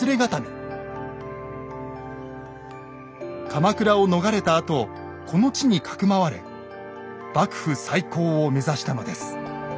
鎌倉を逃れたあとこの地にかくまわれ幕府再興を目指したのです。